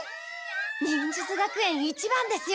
忍術学園一番ですよ。